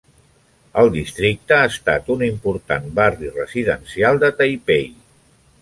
El districte ha estat un important barri residencial de Taipei.